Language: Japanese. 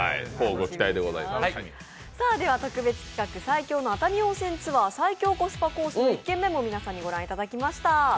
特別企画最強の熱海温泉ツアー、最強コスパコースの１軒目を皆さんに御覧いただきました。